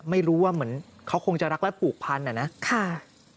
ไม่รู้ว่าเหมือนเขาคงจะรักและปลูกพันธุ์นะครับ